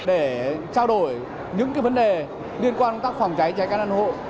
để trao đổi những vấn đề liên quan công tác phòng cháy cháy căn ăn hộ